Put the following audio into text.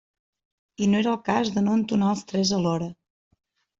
I no era el cas de no entonar els tres alhora.